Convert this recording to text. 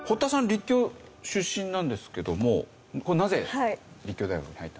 立教出身なんですけどもこれなぜ立教大学に入った？